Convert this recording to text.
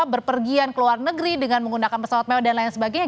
berpergian ke luar negeri dengan menggunakan pesawat mewah dan lain sebagainya